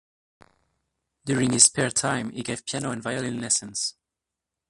During his spare time he gave piano and violin lessons.